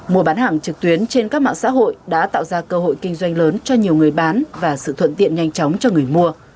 mùa bán hàng trực tuyến trên các mạng xã hội đã tạo ra cơ hội kinh doanh lớn cho nhiều người bán và sự thuận tiện nhanh chóng cho người mua